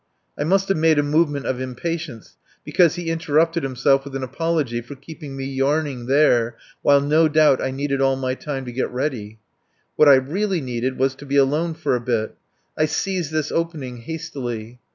..." I must have made a movement of impatience, because he interrupted himself with an apology for keeping me yarning there, while no doubt I needed all my time to get ready. What I really needed was to be alone for a bit. I seized this opening hastily.